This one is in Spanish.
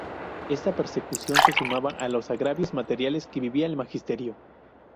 Esta persecución se sumaba a los agravios materiales que vivía el magisterio.